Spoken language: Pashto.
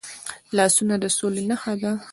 لاسونه د سولې نښه ده